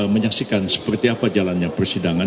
menyaksikan seperti apa jalannya persidangan